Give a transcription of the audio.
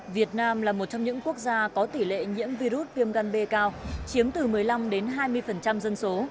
việt nam là một trong những quốc gia có tỷ lệ nhiễm virus viêm gan b cao chiếm từ một mươi năm đến hai mươi dân số